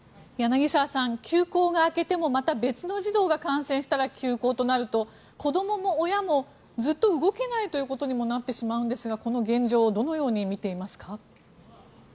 柳澤さん、休校が明けてもまた別の児童が感染したら休校となると子どもも親もずっと動けないということにもなってしまうんですがこの現状をどのように見ていますか？